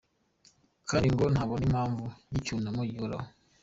Kandi ngo ntabona impamvu y’icyunamo gihoraho.